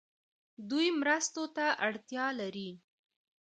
دوی مرستو ته اړتیا لري.